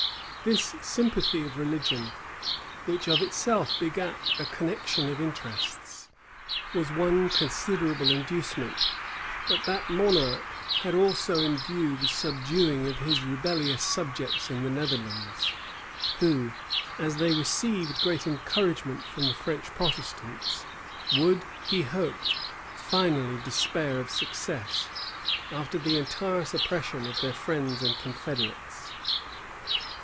This sympathy of religion, which of itself begat a connection of interests, was one considerable inducement; but that monarch had also in view the subduing of his rebellious subjects in the Netherlands; who, as they received great encouragement from the French Protestants, would, he hoped, finally despair of success, after the entire suppression of their friends and confederates.